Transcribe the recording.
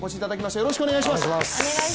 よろしくお願いします。